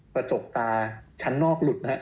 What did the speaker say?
กระจกตาชั้นนอกหลุดนะฮะ